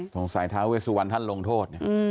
สงสัยท้าเวสุวรรณท่านลงโทษ